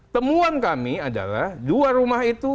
temuan kami adalah dua rumah itu